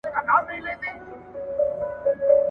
پر مُلا ئې يو چو دئ، جوړول ئې پر خداىدي.